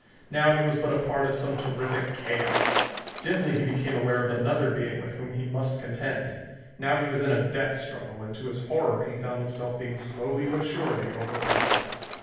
Now he was but a part of some terrific chaos. Dimly he became aware of another being with whom he must contend. Now he was in a death struggle, and to his horror he found himself being slowly but surely overpowered.